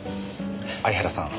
相原さん